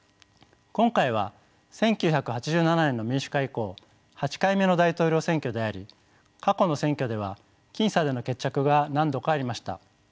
今回は１９８７年の民主化以降８回目の大統領選挙であり過去の選挙では僅差での決着が何度かありました。